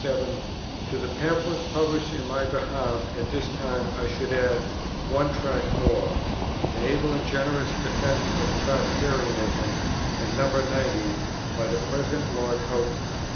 To the Pamphlets published in my behalf at this time I should add "One Tract more," an able and generous defence of Tractarianism and No. 90, by the present Lord Houghton.